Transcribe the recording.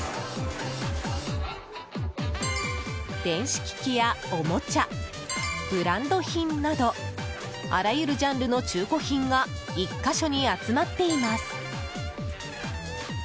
電子機器やおもちゃブランド品などあらゆるジャンルの中古品が１か所に集まっています。